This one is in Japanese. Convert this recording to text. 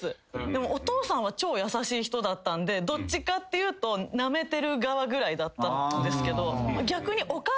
お父さんは超優しい人だったんでどっちかっていうとなめてる側ぐらいだったんですけど。